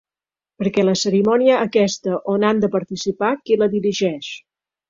Perquè la cerimònia aquesta on han de participar, qui la dirigeix?